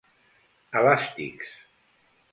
Elàstics: